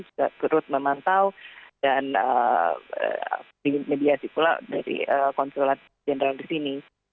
juga terus memantau dan di mediasi pula dari konsulat jenderal di sini